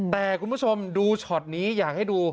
แต่คุณผู้ชมดูช็อตนี้อยากให้ดู